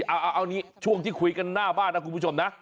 เอางี้ช่วงที่คุยกันหน้าบ้านนะคุณผู้ชมนะ